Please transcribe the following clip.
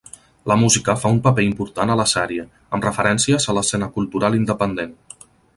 La música fa un paper important a la sèrie, amb referències a l'escena cultural independent.